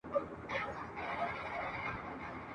ماته د یارانو د مستۍ خبري مه کوه ..